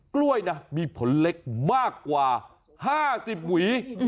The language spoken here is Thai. กล้วยนะมีผลเล็กมากกว่า๕๐หวี